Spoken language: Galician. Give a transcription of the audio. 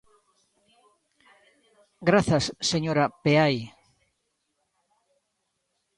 Grazas, señora Peai.